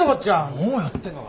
もう酔ってんのか？